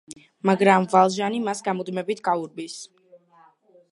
მაგრამ ვალჟანი მას გამუდმებით გაურბის.